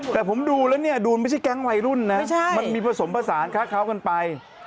แต่ผมดูแล้วเนี่ยดูนไม่ใช่แก๊งวัยรุ่นนะมันมีผสมผสานค้าเขากันไป